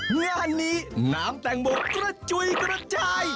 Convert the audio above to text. งานนี้น้ำแตงโมกระจุยกระจาย